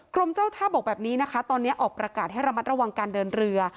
กรมเจ้าท่าบอกแบบนี้นะคะตอนนี้ออกประกาศให้ระมัดระวังการเดินเรือ